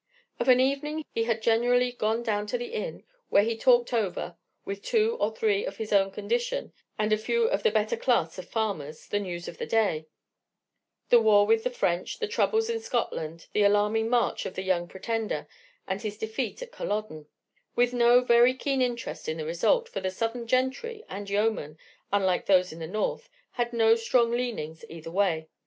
Of an evening he had generally gone down to the inn, where he talked over, with two or three of his own condition and a few of the better class of farmers, the news of the day, the war with the French, the troubles in Scotland, the alarming march of the Young Pretender, and his defeat at Culloden with no very keen interest in the result, for the Southern gentry and yeomen, unlike those in the North, had no strong leanings either way.